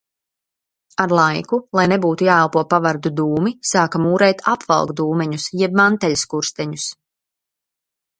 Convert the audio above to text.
Ar laiku, lai nebūtu jāelpo pavardu dūmi, sāka mūrēt apvalkdūmeņus jeb manteļskursteņus.